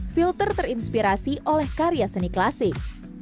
filter terinspirasi oleh karya seni klasik